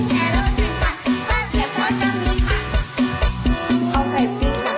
ถูกค่ะสิวะเท่าไรคะ